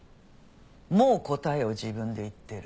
もう答えを自分で言ってる。